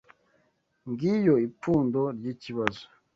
Ngiyo ipfundo ryikibazo.